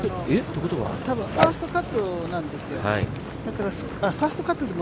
多分ファーストカットなんですよ。